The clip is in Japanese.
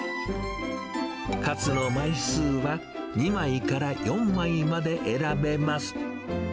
カツの枚数は、２枚から４枚まで選べます。